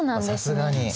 さすがに。